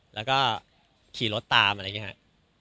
แล้วก็ขี่รถตามอะไรอย่างนี้ครับ